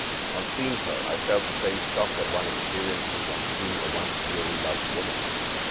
On seeing her I felt the same shock that one experiences on seeing a once dearly loved woman.